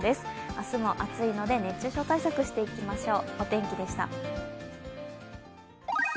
明日も暑いので熱中症対策していきましょう。